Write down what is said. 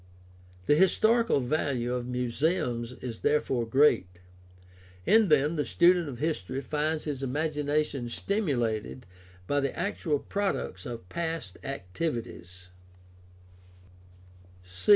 The historical value of muse ums is therefore great. In them the student of history finds his imagination stimulated by the actual products of past activities.